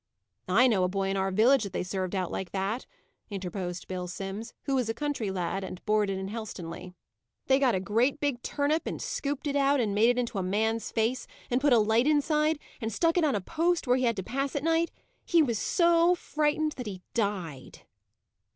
"I know a boy in our village that they served out like that," interposed Bill Simms, who was a country lad, and boarded in Helstonleigh. "They got a great big turnip, and scooped it out and made it into a man's face, and put a light inside, and stuck it on a post where he had to pass at night. He was so frightened that he died."